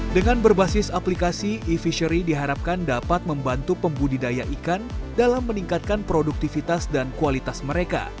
dengan berbasis aplikasi e fishery diharapkan dapat membantu pembudidaya ikan dalam meningkatkan produktivitas dan kualitas mereka